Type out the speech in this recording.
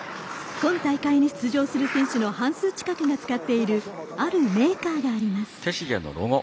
今大会に出場する選手の半数近くが使っているあるメーカーがあります。